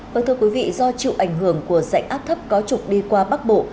vâng thưa quý vị do chịu ảnh hưởng của dạnh áp thấp có trục đi qua bắc bộ